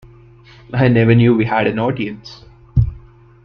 I never knew we had an audience!